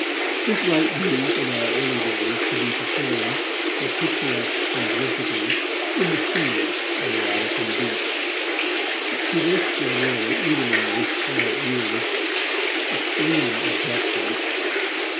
This rite used, in our earliest days, to be performed, with picturesque simplicity, in the sea on the Oddicombe beach, but to this there were, even in those quiet years, extreme objections.